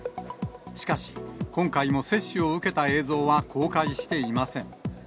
しかし、今回も接種を受けた映像は公開していません。